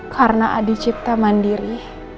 karena adi sipta mandiri